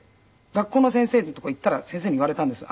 学校の先生のとこに行ったら先生に言われたんです。